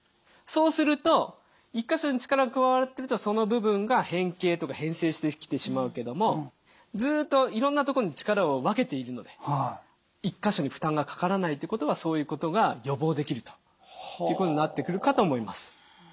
そうすると１か所に力が加わるってことはその部分が変形とか変性してきてしまうけどもずっといろんな所に力を分けているので１か所に負担がかからないってことはそういうことが予防できるということになってくるかと思います。